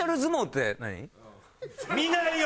見ないよ？